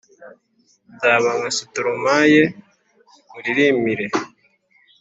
Nzaba nka sitoromaye nkuririmire